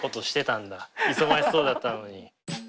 忙しそうだったのに。